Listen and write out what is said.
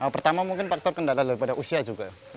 pertama mungkin faktor kendala daripada usia juga